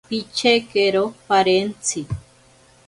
Pichekero parentsi.